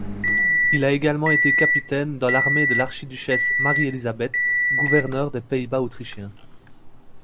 Il a également été capitaine dans l'armée de l'Archiduchesse marie-Elisabeth, Gouverneur des pays-bas Autrichiens.